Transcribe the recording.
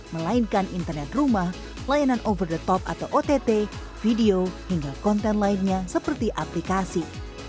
melainkan internet rumah layanan over the top atau ott video hingga konten lainnya seperti aplikasi